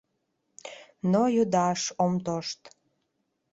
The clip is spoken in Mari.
Но йодаш ом тошт.